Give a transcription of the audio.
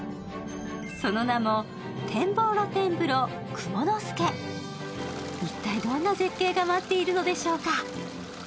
その名も一体どんな絶景が待っているのでしょうか？